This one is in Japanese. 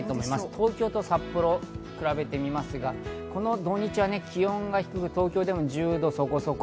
東京と札幌を比べてみますが、この土日は気温が低く、東京でも１０度そこそこ。